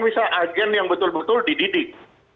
bisa agen yang betul betul dididik